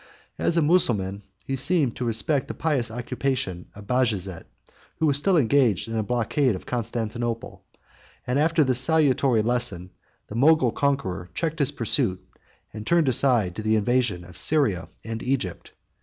311 As a Mussulman, he seemed to respect the pious occupation of Bajazet, who was still engaged in the blockade of Constantinople; and after this salutary lesson, the Mogul conqueror checked his pursuit, and turned aside to the invasion of Syria and Egypt.